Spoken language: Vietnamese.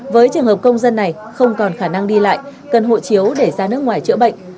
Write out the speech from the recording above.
với trường hợp công dân này không còn khả năng đi lại cần hộ chiếu để ra nước ngoài chữa bệnh